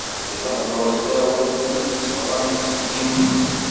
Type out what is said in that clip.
D lehdur ḥlawen i d-itteffɣen seg yimi-s.